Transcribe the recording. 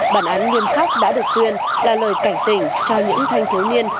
bản án nghiêm khắc đã được tuyên là lời cảnh tình cho những thanh thiếu niên